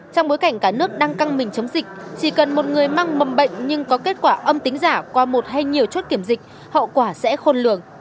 trong bối cảnh cả nước đang căng mình chống dịch chỉ cần một người mang mầm bệnh nhưng có kết quả âm tính giả qua một hay nhiều chốt kiểm dịch hậu quả sẽ khôn lường